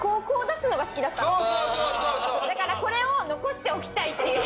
だからこれを残しておきたいっていう。